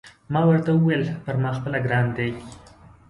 ما ورته وویل: پر ما خپله ګران دی.